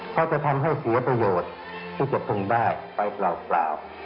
เขาจะทำให้เสียประโยชน์ที่จะคงได้ไปเปล่า